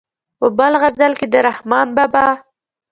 په بل غزل کې د رحمان بابا.